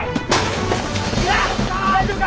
大丈夫か！